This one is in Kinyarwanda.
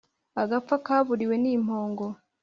agapfa kaburiwe ni mpongo